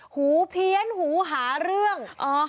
หูเพี้ยนหูหาเรื่อง